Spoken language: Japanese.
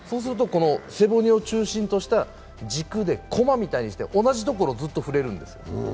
背骨を中心とした軸で駒みたいにして同じところをずっと振れるんですよ。